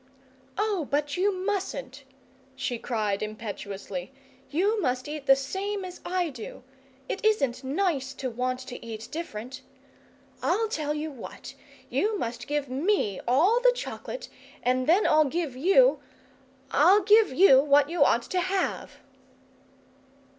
"Oh, but you mustn't!" she cried impetuously. "You must eat the same as I do! It isn't nice to want to eat different. I'll tell you what you must give ME all the chocolate, and then I'll give YOU I'll give you what you ought to have!"